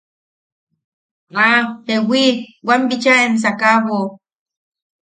–¡Ah, jewi! wam bicha em sakaʼabo.